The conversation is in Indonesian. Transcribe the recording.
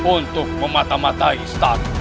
untuk mematamatai istana